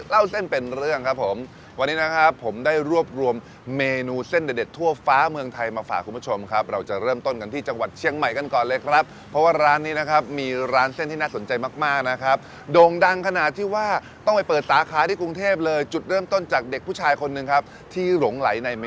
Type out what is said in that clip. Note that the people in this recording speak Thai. เล่าเส้นเป็นเรื่องครับผมวันนี้นะครับผมได้รวบรวมเมนูเส้นเด็ดทั่วฟ้าเมืองไทยมาฝากคุณผู้ชมครับเราจะเริ่มต้นกันที่จังหวัดเชียงใหม่กันก่อนเลยครับเพราะว่าร้านนี้นะครับมีร้านเส้นที่น่าสนใจมากมากนะครับโด่งดังขนาดที่ว่าต้องไปเปิดสาขาที่กรุงเทพเลยจุดเริ่มต้นจากเด็กผู้ชายคนหนึ่งครับที่หลงไหลในม